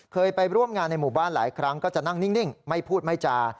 เคยไปร่วมงานในหมู่บ้านหลายครั้งก็จะนั่งนิ่งไม่พูดไม่จา